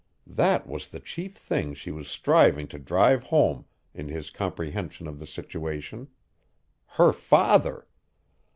That was the chief thing she was striving to drive home in his comprehension of the situation. Her FATHER!